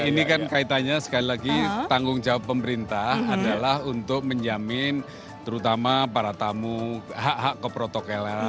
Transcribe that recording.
ini kan kaitannya sekali lagi tanggung jawab pemerintah adalah untuk menjamin terutama para tamu hak hak keprotokelan